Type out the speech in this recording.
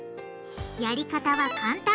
やり方は簡単。